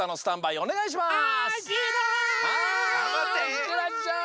いってらっしゃい！